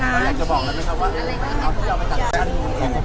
อยากจะบอกนะครับว่าเอาที่ออกมาต่างจาก